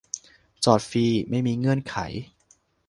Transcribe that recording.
จอดฟรีไม่มีเงื่อนไข